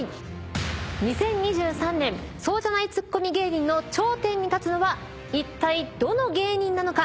２０２３年そうじゃないツッコミ芸人の頂点に立つのはいったいどの芸人なのか？